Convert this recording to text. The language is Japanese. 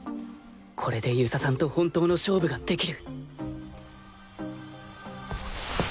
これで遊佐さんと本当の勝負ができる